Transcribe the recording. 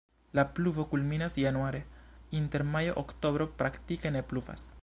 La pluvo kulminas januare, inter majo-oktobro praktike ne pluvas.